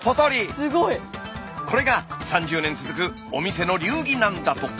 すごい！これが３０年続くお店の流儀なんだとか。